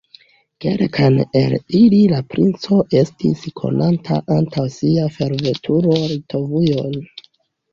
Kelkajn el ili la princo estis konanta antaŭ sia forveturo Litovujon.